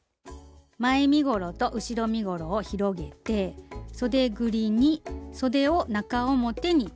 前身ごろと後ろ身ごろを広げてそでぐりにそでを中表に合わせます。